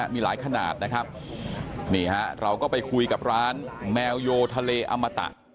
มีหลายขนาดเราก็ไปคุยกับร้านแมวโยทะเลอมะตะ